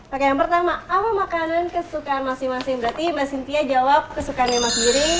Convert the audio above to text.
oke yang pertama apa makanan kesukaan masing masing berarti mba sintia jawab kesukaan mas giring